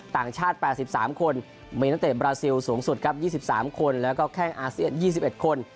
ต่างชาติ๘๓คนมีนักเตะบราซิลสูงสุดครับ๒๓คนแล้วก็แข้งอาเซียน๒๑คน